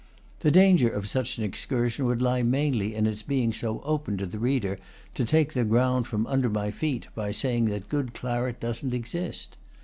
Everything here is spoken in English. The danger of such an excursion would lie mainly in its being so open to the reader to take the ground from under my feet by saying that good claret doesn't exist.